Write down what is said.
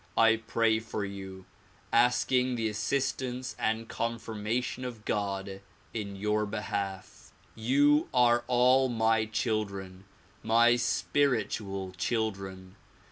I pray for you, asking the assistance and confirmation of God in your behalf. You are all my children, my spiritual children.